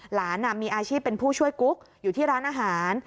หลานมีอาชีพเป็นผู้ช่วยกุ๊กอยู่ที่ร้านอาหาร